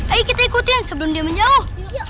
ayo kita ikutin sebelum dia menjauh